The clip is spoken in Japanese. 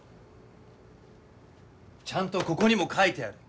ちゃんとここにも書いてある。